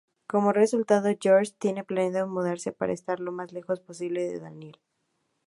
Como resultado, George tiene planeado mudarse para estar lo más lejos posible de Daniel.